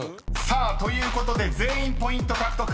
［さあということで全員ポイント獲得］